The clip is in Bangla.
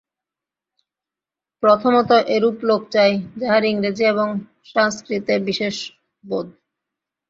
প্রথমত এরূপ লোক চাই, যাহার ইংরেজী এবং সংস্কৃতে বিশেষ বোধ।